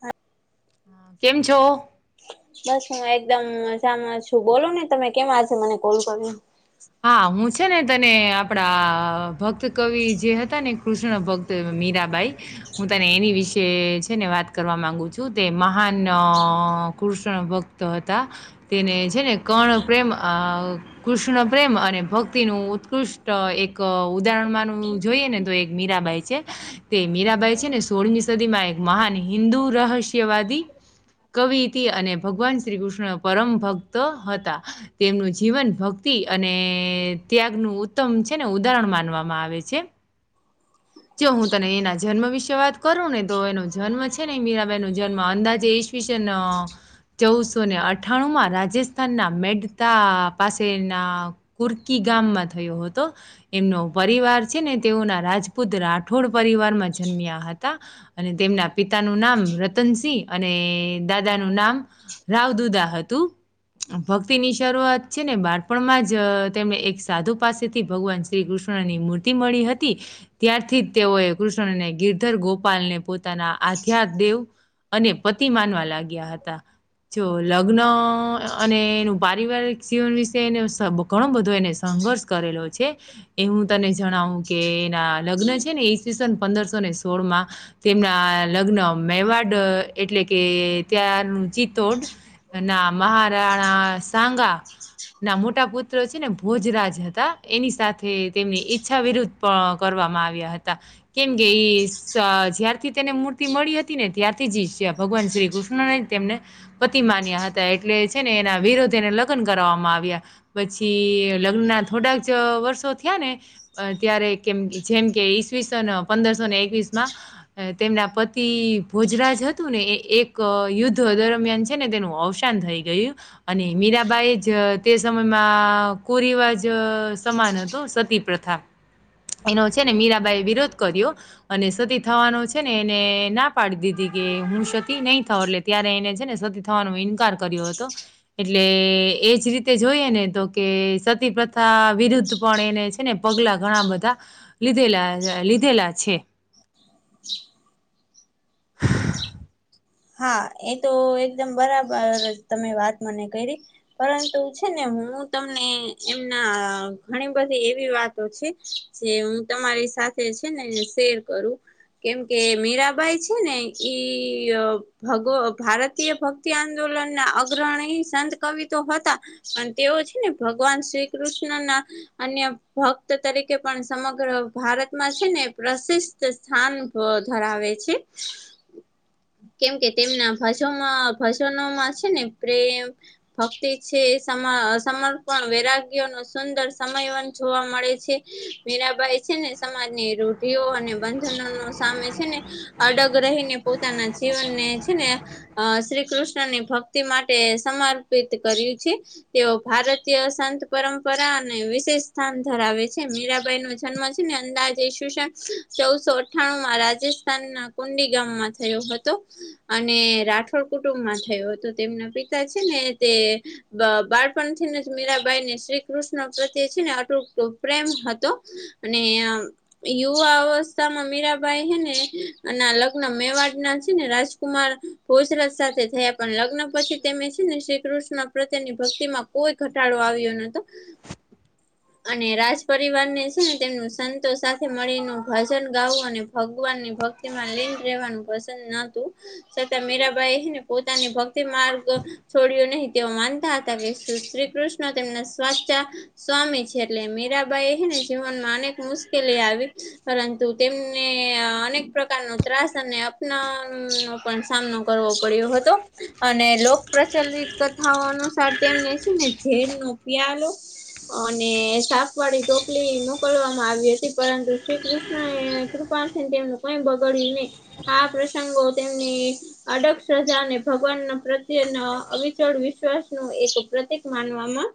હા કેમ છો? બસ હું એકદમ મજામાં છું બોલો ને તમે કેમ આજ મને કોલ કરયો હા હું છે ને તને આપડા ભક્ત કવિ જે હતા ને કૃષ્ણ ભક્ત તો મીરાબાઈ હું તને એની વિશે છે ને વાત કરવા માંગુ છું તે મહાન અ કૃષ્ણ ભક્ત હતા તેને છે ને કર્ણ પ્રેમ અ કૃષ્ણ પ્રેમ અને ભક્તિનું ઉત્કૃષ્ટ એક ઉદાહરણ માનું જોઈએ ને તો એક મીરાંબાઈ છે તે મીરાબાઈ છે ને સોળમી સદી માં એક મહાન હિન્દુ રહસ્યવાદી કવિ હતી અને ભગવાન શ્રી કૃષ્ણ પરમ ભક્ત હતા તેમનું જીવન ભક્તિ અને ત્યાગનું ઉત્તમ છે ને ઉદાહરણ માનવામાં આવે છે જો હું તને એના જન્મ વિશે વાત કરું ને તો એનો જન્મ છે ને મીરાબાઈ નો જન્મ અંદાજે ઈ સ વી સન ચૌદસો ને અઠાણુંમાં રાજસ્થાનનાં મેડતા પાસેના કુર્કી ગામમાં થયો હતો. એમનો પરિવાર છે. ને તેઓના રાજ રાજપૂત રાઠોડ પરિવાર માં જન્મ્યાં હતાં. અને તેમના પિતાનું નામ રતનસિંહ અને દાદા નું નામ રાવ દુદા હતું ભક્તિ ની શરૂઆત છે ને બાળપણમાં જ તેમને એક સાધુ પાસેથી ભગવાન શ્રી કૃષ્ણની મૂર્તિ મળી હતી. ત્યારથી જ તેઓએ કૃષ્ણને ગિરધર ગોપાલને પોતાના આધ્યા દેવ અને પતિ માનવા લાગ્યા હતાં. જો લગ્ન અને એનું પારિવારિક જીવન વિશે એને ઘણો બધો એને સંઘર્ષ કરેલો છે. એ હું તને જણાવું કે એના લગ્ન છે ને ઈવીસન પંદરસો ને સોળ માં તેમના લગ્ન મેવાડ એટલે કે ત્યાંનું ચિત્તોડ ના મહારાણા સાગા. ના મોટા પુત્ર છે ને ભોજરાજ હતાં એની સાથે તેમની ઈચ્છા વિરુદ્ધ પણ કરવામાં આવ્યા હતાં. કેમ કે ઈ જ્યારથી તેને મૂર્તિ મળી હતી. ને ત્યારથી જ ભગવાન શ્રી કૃષ્ણને તેમને પતિ માન્યા હતાં એટલે છે ને એના વિરોધ એને લગ્ન કરવામાં આવ્યાં. પછી લગ્ન ના થોડા જ વર્ષો થયા ને ત્યારે કેમ કે જેમ કે ઈસવીસ પંદરસોને એકવીસ માં તેમના પતિ ભોજરાજ હતું ને એ એક યુદ્ધ દરમિયાન છે ને તેનું અવસ નુસાન થઈ ગયું અને મીરાબાઈ જ તે સમયમાં કુરિવાજ સમાન હતું સતી પ્રથા એનો છે ને મીરાંબાઈ એ વિરોધ કર્યો. અને સતી થવાનો છે ને એને ના પાડી દીધી કે હું સતી નહીં થાવ એટલે ત્યારે એને છે ને સતી થવાનો ઈન્કાર કર્યો હતો. એટલે એજ રીતે જોઈએ ને તો કે સતી થા વિરુદ્ધ પણ એને છે ને પગલાં ઘણાં બધાં લીધેલા લીધેલા છે. હા એ તો એકદમ બરાબર તમે વાત મને કરી. પરંતુ છે ને હું તમને એમના ઘણી બધી એવી વાતો છે. જે હું તમારી સાથે છે ને શેર કરું. કેમ કે મીરાબાઈ છે ને ઈ. હગો ભારતીય ભક્તિ આંદોલન ના અગ્રણી સંત કવિતો હતા. અને તેઓ છે ને ભગવાન શ્રી કૃષ્ણ નાં અન્ય ભક્ત તરીકે પણ સમગ્ર ભારતમાં છે ને પ્રસિદ્ધ. સ્થાન ધરાવે છે. કેમ કે તેમના ભજોમાં ભજનોમાં છે ને પ્રેમ. ભક્તિ છે સમર્પણ વૈરાગ્ય નો સુંદર સમયવન જોવા મળે છે. મીરાંબાઈ છે ને સમાજની રૂઢિઓ અને બંધનો સામે છે ને. અડગ રહીને પોતાના જીવનને છે ને. અ શ્રી કૃષ્ણ ની ભક્તિ માટે સમર્પિત કર્યું છે. તેઓ ભારતીય સંત પરંપરા અને વિશેષ સ્થાન ધરાવે છે. મીરાંબાઈ નો જન્મ છે ને અંદાજે ઇસવીસન ચૌદસો અઠ્ઠાણું માં રાજસ્થાન ના કુંડીગામમાં થયો હતો. અને રાઠોડ કુટુંબમાં થયો હતો તેમના પિતા છે ને તે બાળપણથીને જ મીરાંબાઈ ને શ્રી કૃષ્ણ પ્રત્યે છે ને અટુતો પ્રેમ હતો‌. અને અહ યુવા અવસ્થામાં મીરાબાઈ હે ને લગ્ન મેવાડના ને રાજકુમાર ભોજરાજ સાથે થયા પણ લગ્ન પછી તેમે છે ને શ્રીકૃષ્ણ પ્રત્યેની ભક્તિ માં કોઈ ઘટાડો આવ્યો નતો. [inaudible] અને રાજપરીવાર ને છે ને તેમનું સંતો સાથે મળીનું ભજન ગાવું અને ભગવાન ની ભક્તિમાં લીન રહેવાનું પસંદ નતું છતાં મીરાબાઈને પોતાની ભક્તિ માર્ગ છોડ્યો નહીિ તેઓ માનતા હતા કે શ્રી કૃષ્ણ તેમના સાચા સ્વામી છે એટલે મીરાબાઈ એહીને જીવનમાં અનેક મુશ્કેલી આવી પરંતુ તેમને અનેક પ્રકાર નો ત્રાસ અને નો પણ સામનો કરવો પડ્યો હતો અને લોક પ્રચલિત કથાઓ અનુસાર તેમ ન છે ને ઝેર નો પિયાલો અને શાપ વાળી ટોકલી મોકલવામાં આવી હતી પરંતુ શ્રી કૃષ્ણ કૃપા છેને તેમનું કઈ બગાડ્યું નહી આ પ્રસંગો તેમને અડગ સજા અને ભગવાન પ્રત્યે અવિચળ વિશ્વાસ નું એક પ્રતિક માનવામાં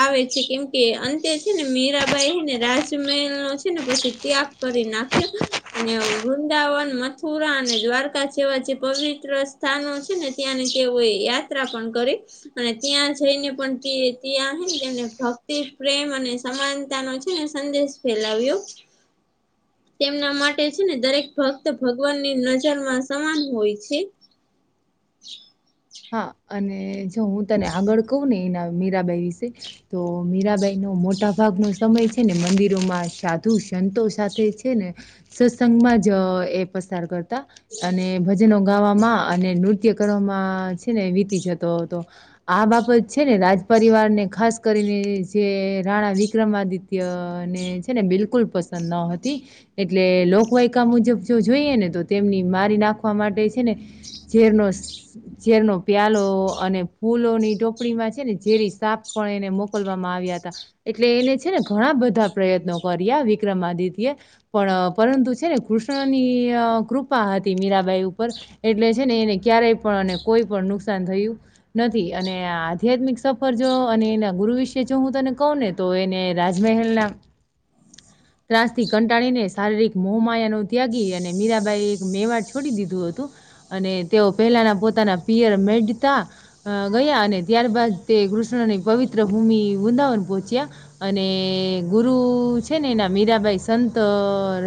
આવે છે કેમ કે અંતે છે ને મીરાબાઈ રાજમહેલ નો છે ને પછી ત્યાગ કરી નાખ્યો અને વૃંદાવન માથું રા અને દ્વારકા જે પવિત્ર સ્થાનો છે ને ત્યાંની તેઓએ યાત્રા પણ કરી. અને ત્યાં જઈને પણ ત્યાં છે નેને ભક્તિ પ્રેમ અને સમાનતા નો છે ને સંદેશ ફેલાવ્યો. તેમના માટે છે ને દરેક ભક્ત ભગવાનની નજરમાં સમાન હોય છે. હા અને જો હું તને આગળ કહું ને એના મીરાબાઈ વિશે તો મીરાબાઈ નો મોટા ભાગનો સમય છે ને મંદિરોમાં સાધુ સંતો સાથે છે ને સત્સંગમાં જ એ પસાર કરતા અને ભજનો ગાવામાં અને નૃત્ય કરવામાં છે ને વીતી જતો હતો. આ બાબત છે ને રાજપરિવાર ને ખાસ કરીને જે રાણા વિક્રમાદિત્ય નૃત્યને છે ને બિલકુલ પસંદ ન હતી. એટલે લોકવાયકા મુજબ જો જોઈએ ને તો તેમની મારી નાખવા માટે છે ને ઝેરનો ઝેરનો પ્યાલો અને ફૂલોની ટોપડી માં છે ને ઝેરી સાપ પણ એને મોકલવામાં આવ્યા હતા. એટલે એને છે ને ઘણા બધા પ્રયત્નો કર્યા વિક્રમાદિત્ય એ. પણ પરંતુ છે ને કૃષ્ણની કૃપા હતી મીરાબાઈ ઉપર. એટલે છે ને એને ક્યારેય પણ અને કોઈ પણ નુકસાન થયું નથી. અને આ આધ્યાત્મિક સફર જો અને ગુરુ વિશે જો હું તને કહુંને તો એને રાજમહેલ ના. ત્રાસ થી કંટાળીને શારીરિક મોહમાયા નું ત્યાગી અને મીરાબાઈએ એક મેવાડ છોડી દીધું હતું. અને તેઓ પહેલાના પોતાના પિયર મેડતા.. અ ગયા અને ત્યારબાદ તે કૃષ્ણની પવિત્ર ભૂમિ વૃંદાવન પહોંચ્યા. અને ગુરુ છે ને એના મીરાબાઈ સંત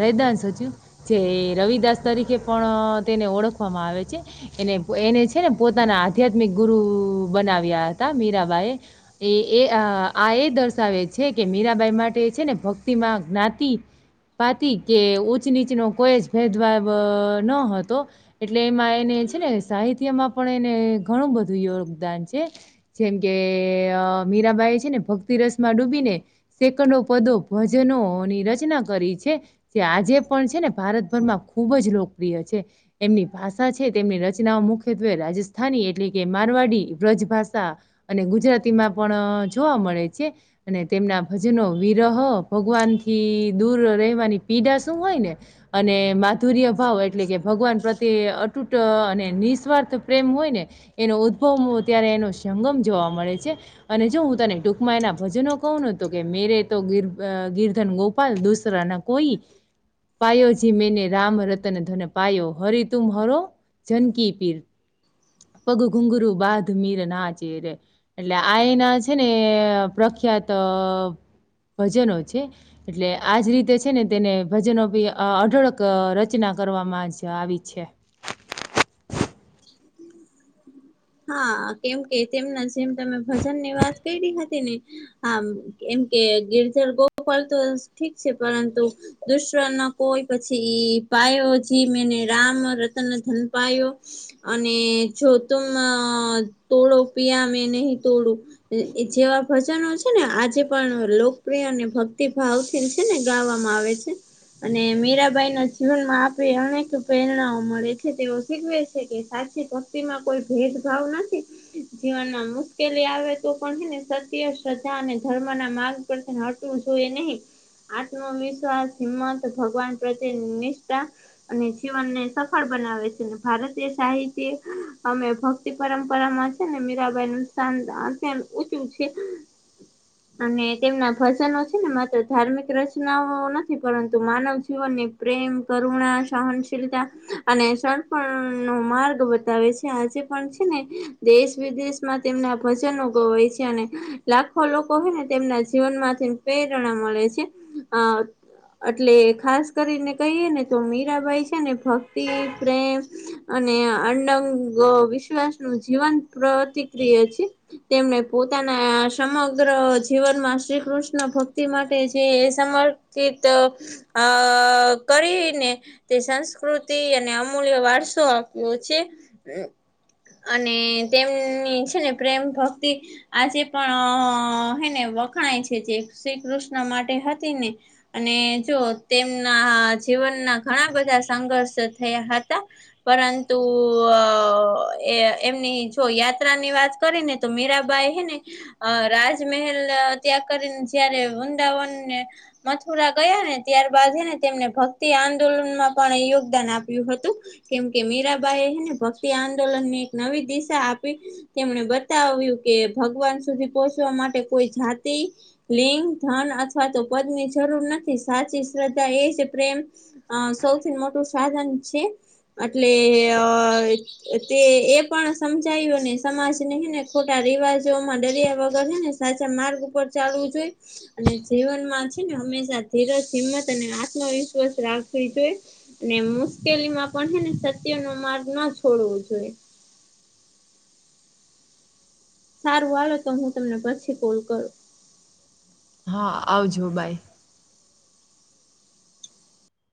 રહેદાન સચિવ. જે રવિદાસ તરીકે પણ તેને ઓળખવામાં આવે છે એને એને.. છે ને પોતાના આધ્યાત્મિક ગુરુ બનાવ્યા હતા મીરાબા એ.. એ એ આ એ દર્શાવે છે કે મીરાબાઈ માટે છે ને ભક્તિમાં જ્ઞાતિ પાતી કે ઉચ નીચનો કોઈ જ ભેદભાવ ન હતો. એટલે એમાં એને છે ને સાહિત્યમાં પણ એને ઘણું બધું યોગદાન છે. જેમ કે મીરાંબાઈ છે ને ભક્તિ રસ માં ડૂબી ને. સેકંડો પદો ભજનોની રચના કરી છે. જે આજે પણ છે ને ભારતભરમાં ખૂબ જ લોકપ્રિય છે. એમની ભાષા છે. તેમની રચનાઓ મુખ્ય રાજસ્થાની એટલે કે મારવાડી બ્રજ ભાષા.. અને ગુજરાતી માં પણ જોવા મળે છે. અને તેમના ભજનો વિરહો ભગવાન થી દૂર રહેવાની પીડા શું હોય ને. અને માધુર્ય ભાવ એટલે કે ભગવાન પ્રત્યે અતૂટ અને નિસ્વાર્થ. પ્રેમ હોય ને એનો ઉદભવય ત્યારે એનો સંગમ જોવા મળે છે. અને જો હું તને ટૂંકમાં એના ભજનો કહું ન તો કે મેરે તો ગિરધન ગોપાલ દુસરા. કોઈ. પાયો જી મેને રામ રતન ધન પાયો, હરી તુમ હરો જનકી પીર. પગ ઘુંઘરું બાદ મીર ના ચેરે. એટલે આ એના છે ને પ્રખ્યાત ભજનો છે. એટલે આ જ રીતે છે ને તેને ભજનો કી અઢળક રચના કરવામાં આવી છે. [unintelligible] હા કેમ કે તેમના જેમ તમે ભજન ની વાત કરી હતી ને.. હાએમ કે ગિરધર ગોપાલ તો ઠીક છે પરંતુ. દુશર ના કોઈ પછી પાયો જી મેને રામ રતન ધન પાયો. અને જો તુમ તોડો પિયા મે નહી તોડું. જેવા ભજનો છે ને આજે પણ લોકપ્રિય અને ભક્તિભાવ. છે ને ગાવામાં આવે છે. અને મીરાબાઈ ના જીવનમાં આપે અનેક પ્રેરણાઓ મળે છે. તેઓ શીખવે. કે સાચી ભક્તિમાં કોઈ ભેદભાવ નથી. જીવનમાં મુશ્કેલી આવે તો પણને હેને સત્ય શ્રદ્ધા અને ધર્મ ના માર્ગ. પણતે હટવું જોઈએ નહીં. આત્મવિશ્વાસ હીમત ભગવાન પ્રત્યે નિષ્ઠા. અને જીવનને સફળ બનાવે છે. અને ભારત. જે સાહિત્ય અમેભક્તિ પરંપરામાં છે ને મીરાંબાઈ નું સાનદાન. પેલું ઉચું છે. [unintelligible] અને તેમના ભજનો છે. ને માત્ર ધામિર્ક રચનાઓ નથી પરંતુ માનવ જીવનની. પ્રેમ, કરુણા, સહનશીલતા અને સડપણ. નો માર્ગ બતાવે છે આજે પણ છે ને દેશ વિદેશમાં તેમના ભજનો ગવાય છે અને. લાખો લોકો હે ને તેમના જીવનમાંથી પ્રેરણા મળે છે. એટલે ખાસ કરીને કહીએ ને તો મીરાંબાઈ છે ને ભક્તિ પ્રેમ. અને અડંગ વિશ્વાસ નું જીવન પ્રતિક્રિય છે. તેમને પોતાના સમગ્ર જીવનમાં શ્રી કૃષ્ણ ભક્તિ માટે જે સમ પિત અ કરીને તે સંસ્કૃતિ અને અમૂલ્ય વારસા આપ્યો છે. અને તેમની છે ને પ્રેમ ભક્તિ આજે પણ હેને વખણાય છે જે શ્રી કૃષ્ણ માટે હતી ને અને જો તેમના જીવનના ઘણાં બધાં સંઘર્ષ થયાં હતાં. પરંતુ એ એમની જો યાત્રા ની વાત કરી ને તો મીરા ભાઈ હે ને અ રાજમહેલ ત્યા કરીને જયારે વૃંદાવનને મથુરા ગયા ને ત્યારબાદ એને તેમને ભક્તિ આંદોલનમાં પણ યોગદાન આપ્યું હતું. કેમ કે મીરાબાાઈ ભક્તિ એક નવી દિશા આપી તેમણે બતાવ્યું કે ભગવાન સુધી પોહચવા માટે કોઈ જાતિ લિંગ ધન અથવા તો પદની જરૂર નથી સાચી શ્રદ્ધા એ જ પ્રેમ અ સૌથી મોટું સાધન છે એટલે અ તે એ પણ સમજાયું ને સમાજને હેને ખોટા રિવાજોમાં દરિયા વગર હે ને સાચા માર્ગ ઉપર ચાલવું જોઈએ. અને જીવનમાં છે ને હંમેશા ધીરજ હિંમત અને આત્મવિશ્વાસ રાખવી જોઈ. અને મુશ્કેલીમાં પણ હેને સત્ય નો માર્ગ ન છોડવો જોઈએ. સારું હાલો તો હું તમને પછી કોલ કરું. હા આવજો બાઈ.